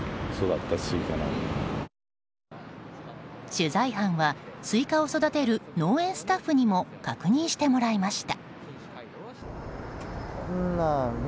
取材班はスイカを育てる農園スタッフにも確認してもらいました。